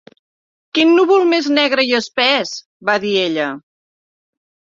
"Quin núvol més negre i espès!" va dir ella.